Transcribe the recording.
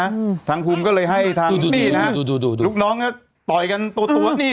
อืมทางภูมิก็เลยให้ทางจุดนี้นะฮะดูดูดูดูลูกน้องก็ต่อยกันตัวตัวนี่